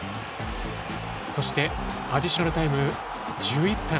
そしてアディショナルタイム１１分。